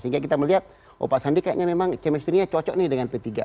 sehingga kita melihat oh pak sandi kayaknya memang chemistry nya cocok nih dengan p tiga